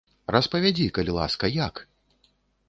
Распавядзі, калі ласка, як?